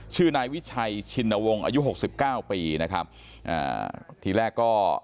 ชื่อนายวิชัยชินวงศ์อายุหกสิบเก้าปีนะครับอ่าทีแรกก็